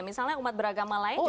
misalnya umat beragama lain juga